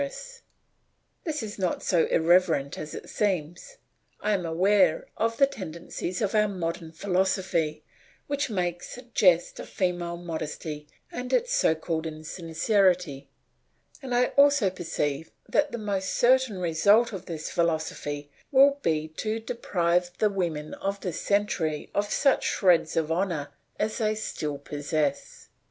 This is not so irrelevant as it seems. I am aware of the tendencies of our modern philosophy which make a jest of female modesty and its so called insincerity; I also perceive that the most certain result of this philosophy will be to deprive the women of this century of such shreds of honour as they still possess.